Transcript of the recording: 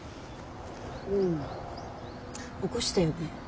うん起こしたよね。